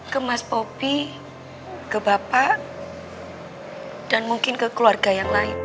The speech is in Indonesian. ke mas popi ke bapak dan mungkin ke keluarga yang lain